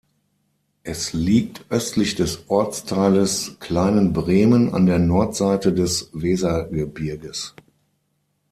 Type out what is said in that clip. Es liegt östlich des Ortsteiles Kleinenbremen an der Nordseite des Wesergebirges.